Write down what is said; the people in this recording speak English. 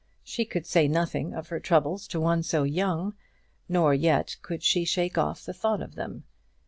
She could say nothing of her troubles to one so young, nor yet could she shake off the thought of them.